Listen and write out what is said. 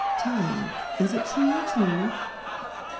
. Tell me, is it truly true?